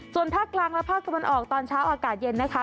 ส่วนภาคกลางและภาคตะวันออกตอนเช้าอากาศเย็นนะคะ